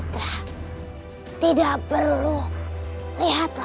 saya sudah seperti biasa